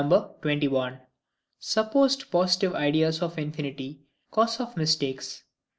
Supposed positive Ideas of Infinity, cause of Mistakes.